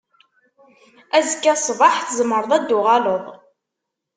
Azekka ṣṣbeḥ tzemreḍ ad d-tuɣaleḍ.